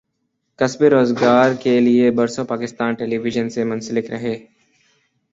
کسبِ روزگارکے لیے برسوں پاکستان ٹیلی وژن سے منسلک رہے